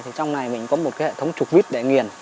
thì trong này mình có một cái hệ thống trục lít để nghiền